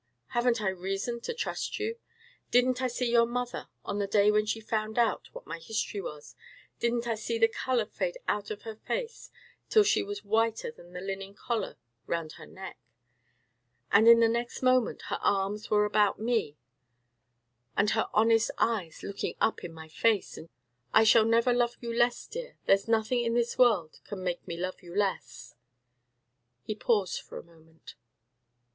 Haven't I reason to trust you? Didn't I see your mother, on the day when she found out what my history was; didn't I see the colour fade out of her face till she was whiter than the linen collar round her neck, and in the next moment her arms were about me, and her honest eyes looking up in my face, as she cried, 'I shall never love you less, dear; there's nothing in this world can make me love you less!'" He paused for a moment.